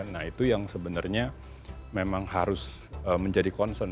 nah itu yang sebenarnya memang harus menjadi concern